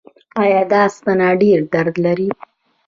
ایا دا ستنه ډیر درد لري؟